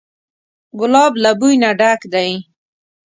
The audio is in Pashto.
ګلاب له بوی نه ډک دی.